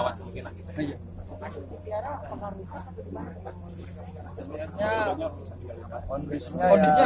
pak juri cvr nya pengaruh bisa atau tidak